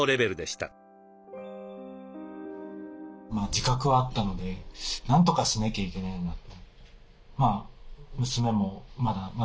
自覚はあったのでなんとかしなきゃいけないなと。